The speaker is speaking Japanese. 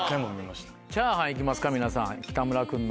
チャーハン行きますか皆さん北村君の。